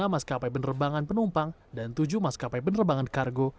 dua puluh enam maskapai penerbangan penumpang dan tujuh maskapai penerbangan kargo